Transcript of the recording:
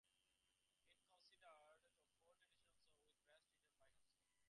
It consisted of four traditional songs, with the rest written by herself.